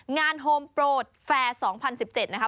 โฮมโปรดแฟร์๒๐๑๗นะคะ